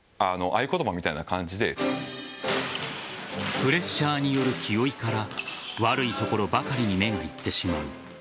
プレッシャーによる気負いから悪いところばかりに目がいってしまう。